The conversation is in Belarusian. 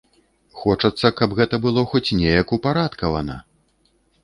Хочацца, каб гэта было хоць неяк упарадкавана!